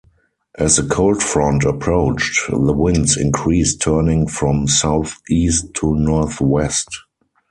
As the cold front approached, the winds increased turning from southeast to northwest.